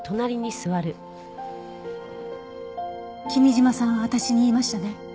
君嶋さんは私に言いましたね。